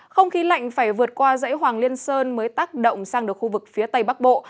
không khí lạnh phải vượt qua dãy hoàng liên sơn mới tác động sang được khu vực phía tây bắc bộ